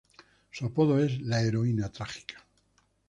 Su apodo es "La heroína trágica".